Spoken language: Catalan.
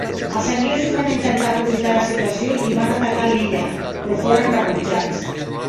Els anglesos van intentar aprofitar la situació i van atacar l'illa, però foren rebutjats.